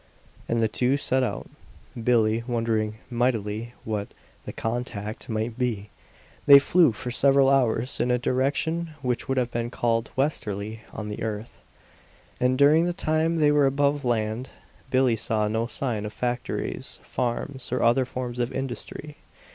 And the two set out, Billie wondering mightily what "the contact" might be. They flew for several hours in a direction which would have been called "westerly" on the earth; and during the time they were above land, Billie saw no sign of factories, farms, or other forms of industry.